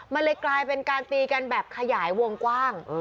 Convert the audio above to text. มันเลยกลายเป็นการตีกันแบบขยายวงกว้าง